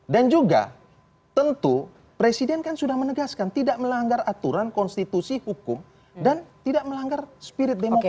dan juga tentu presiden kan sudah menegaskan tidak melanggar aturan konstitusi hukum dan tidak melanggar spirit demokrasi